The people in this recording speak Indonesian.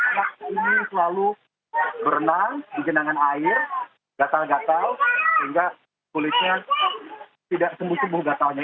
anak ini selalu berenang di genangan air gatal gatal sehingga kulitnya tidak sembuh sembuh gatalnya